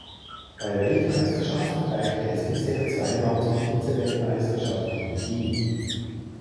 Bei Weltmeisterschaften reichte es bisher zweimal zur Vizeweltmeisterschaft im Team.